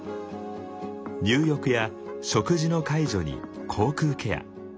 入浴や食事の介助に口腔ケア。